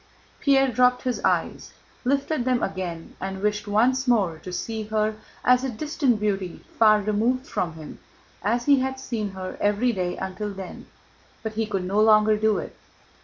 Pierre dropped his eyes, lifted them again, and wished once more to see her as a distant beauty far removed from him, as he had seen her every day until then, but he could no longer do it.